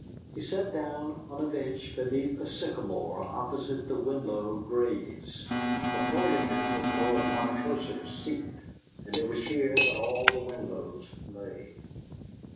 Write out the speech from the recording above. He sat down on a bench beneath a sycamore opposite the Winlow graves, for Coldingham was Lord Montrossor's seat, and it was here that all the Winlows lay.